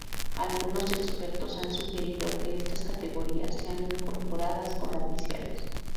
Algunos expertos han sugerido que estas categorías sean incorporadas como oficiales.